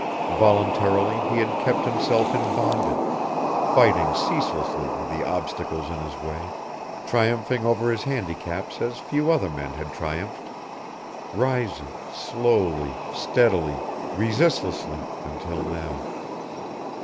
Voluntarily he had kept himself in bondage, fighting ceaselessly the obstacles in his way, triumphing over his handicaps as few other men had triumphed, rising, slowly, steadily, resistlessly, until now